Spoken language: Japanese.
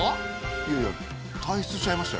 いやいや退出しちゃいましたよ。